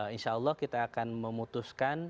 insya allah kita akan memutuskan